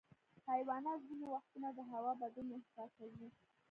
حیوانات ځینې وختونه د هوا بدلون احساسوي.